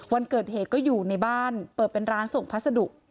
วันเกิดเหตุก็อยู่ในบ้านเปิดเป็นร้านส่งพัสดุ